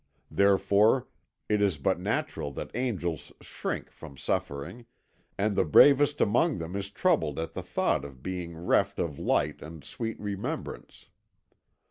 Therefore it is but natural that angels shrink from suffering, and the bravest among them is troubled at the thought of being reft of light and sweet remembrance.